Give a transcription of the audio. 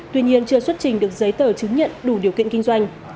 tuy nhiên chưa xuất trình được giấy tờ chứng nhận đủ điều kiện kinh doanh